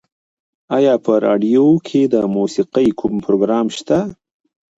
ایا په راډیو کې د موسیقۍ کوم پروګرام شته؟